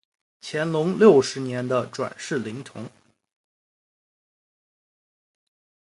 乾隆六十年的转世灵童。